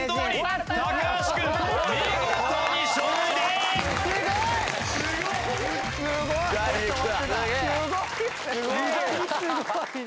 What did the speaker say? すごいね！